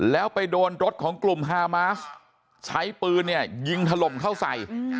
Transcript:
แล้วไปโดนรถของกลุ่มฮามาสใช้ปืนเนี่ยยิงถล่มเข้าใส่